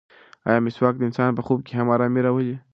ایا مسواک د انسان په خوب کې هم ارامي راولي؟